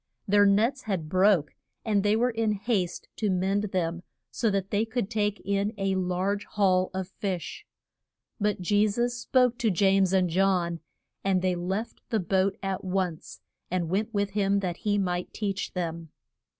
Their nets had broke, and they were in haste to mend them so that they could take in a large haul of fish. But Je sus spoke to James and John, and they left the boat at once, and went with him that he might teach them.